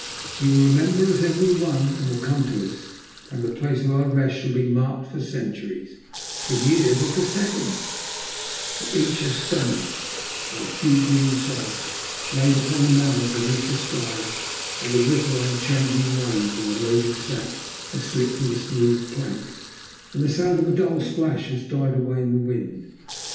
He will remember us every one and will come to us, and the place of our rest shall be marked for centuries, for years, or for seconds, for each a stone, or a few green sods laid upon a mound beneath the sky, or the ripple on a changing wave when the loaded sack has slipped from the smooth plank, and the sound of a dull splash has died away in the wind.